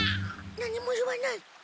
何も言わない。